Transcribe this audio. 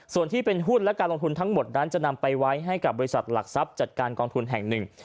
ส่วนที่เป็นหุ้นและการลงทุนทั้งหมดนั้นจะนำไปไว้ให้กับบริษัทหลักทรัพย์จัดการกองทุนแห่งหนึ่ง